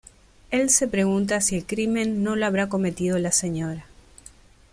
Elle se pregunta si el crimen no lo habrá cometido la Sra.